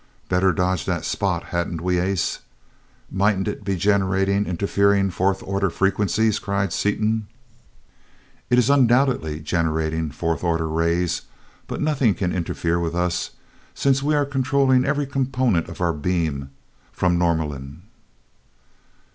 "Better dodge that spot, hadn't we, ace? Mightn't it be generating interfering fourth order frequencies?" cried Seaton. "It is undoubtedly generating fourth order rays, but nothing can interfere with us, since we are controlling every component of our beam from Norlamin."